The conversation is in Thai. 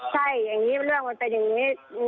ใช่เรื่องมันเป็นอย่างนี้